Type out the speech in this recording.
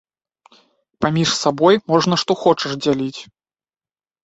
Паміж сабой можна што хочаш дзяліць.